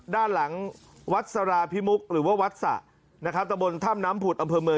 ด้านหลังวัดสาราพิมุกหรือว่าวัดสะนะครับตะบนถ้ำน้ำผุดอำเภอเมือง